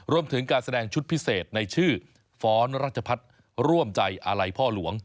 รวมถึงการแสดงชุดพิเศษในชื่อฟ้อนรัชพัฒน์ร่วมใจอาลัยพ่อหลวง